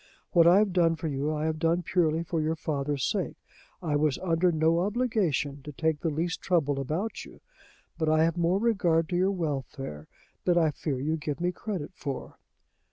What I have done for you, I have done purely for your father's sake. I was under no obligation to take the least trouble about you. But I have more regard to your welfare than I fear you give me credit for."